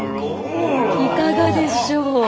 いかがでしょう？